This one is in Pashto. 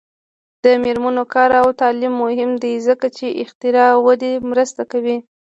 د میرمنو کار او تعلیم مهم دی ځکه چې اختراع ودې مرسته کوي.